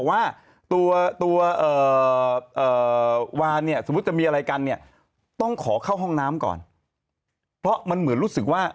ว่าตัววานเนี่ยสมมุติจะมีอะไรกันเนี่ยต้องขอเข้าห้องน้ำก่อนเพราะมันเหมือนรู้สึกว่า